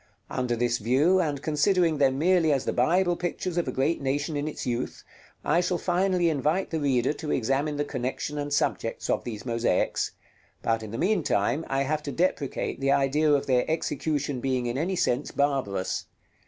Under this view, and considering them merely as the Bible pictures of a great nation in its youth, I shall finally invite the reader to examine the connexion and subjects of these mosaics; but in the meantime I have to deprecate the idea of their execution being in any sense barbarous.